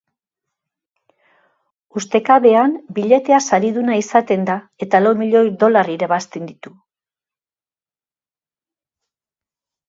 Ustekabean, billetea sariduna izaten da eta lau milioi dolar irabazten ditu.